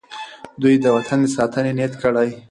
دوی د وطن د ساتنې نیت کړی.